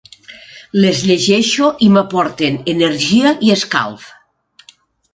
Les llegeixo i m'aporten energia i escalf.